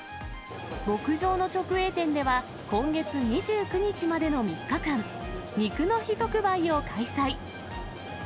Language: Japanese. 牧場の直営店では、今月２９日までの３日間、肉の日特売を開催。